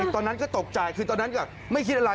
ตอนนั้นก็ตกใจคือตอนนั้นก็ไม่คิดอะไร